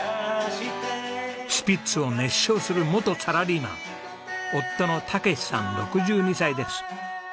スピッツを熱唱する元サラリーマン夫の健さん６２歳です。